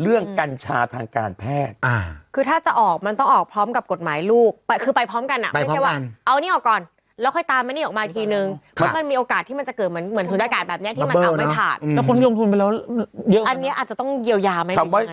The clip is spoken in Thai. วันนี้อาจจะต้องเยียวยาไหมเป็นยังไง